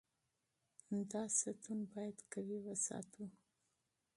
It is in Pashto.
دا ستون باید قوي وساتو.